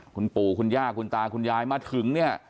คุณปู่คุณย่าคุณตาคุณยายมาถึงเนี่ย